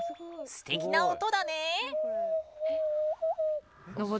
すてきな音だね。